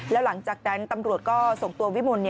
แล้วหลังจากนั้นตำรวจก็ส่งตัววิมล